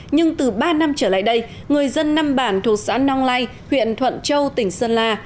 nhưng từ ba năm trở lại đây người dân năm bản thuộc xã nong lây huyện thuận châu tỉnh sơn la